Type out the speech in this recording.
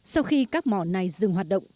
sau khi các mỏ này dừng hoạt động